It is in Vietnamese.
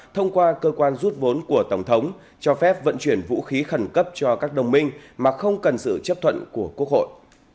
thông qua cơ quan rút vốn của tổng thống cho phép vận chuyển vũ khí khẩn cấp cho các đồng minh mà không cần sự chấp thuận của quốc hội